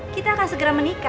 kita akan segera menikah